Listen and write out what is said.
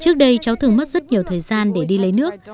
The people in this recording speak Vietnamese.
trước đây cháu thường mất rất nhiều thời gian để đi lấy nước